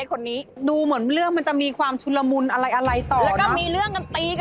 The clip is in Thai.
ก็สู้กับเขาเลยก็เข้าไปแย่งมีด